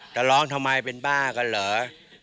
จะร้องทำไมเป็นบ้ากันเหรอ